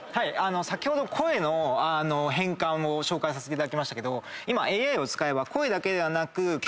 先ほど声の変換を紹介させていただきましたけど今。